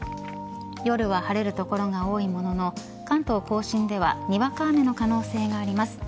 夜は晴れる所が多いものの関東甲信ではにわか雨の可能性があります。